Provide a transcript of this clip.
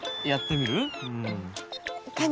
やってみる？